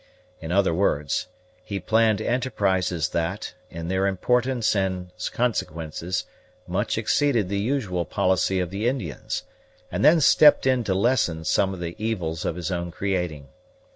In other words, he planned enterprises that, in their importance and consequences, much exceeded the usual policy of the Indians, and then stepped in to lessen some of the evils of his own creating.